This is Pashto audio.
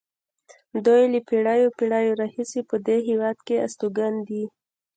دوی له پېړیو پېړیو راهیسې په دې هېواد کې استوګن دي.